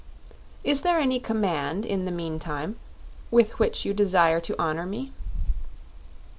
Is there any command, in the meantime, with which you desire to honor me?"